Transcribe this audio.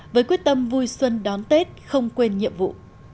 với quyết tâm vui xuân đón tết không quên nhiệm vụ